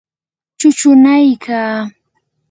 chuchunaykaa.